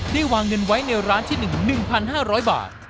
วางเงินไว้ในร้านที่๑๑๕๐๐บาท